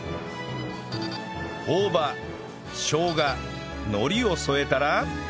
大葉しょうがのりを添えたら